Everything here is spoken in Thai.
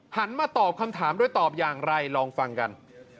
มาตอบคำถามด้วยตอบอย่างไรลองฟังกัน